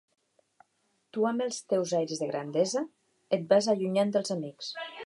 Tu amb els teus aires de grandesa, et vas allunyant dels amics.